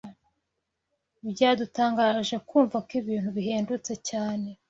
Byadutangaje kumva ko ibintu bihendutse cyane.